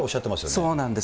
そうなんです。